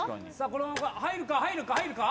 このまま入るか入るか入るか？